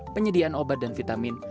penyediaan obat dan vitamin